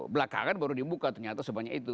belakangan baru dibuka ternyata sebanyak itu